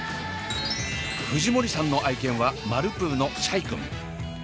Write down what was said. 藤森さんの愛犬はマルプーのシャイくん。